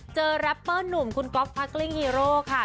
แรปเปอร์หนุ่มคุณก๊อฟฟากลิ้งฮีโร่ค่ะ